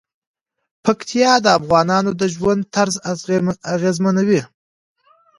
پکتیا د افغانانو د ژوند طرز اغېزمنوي.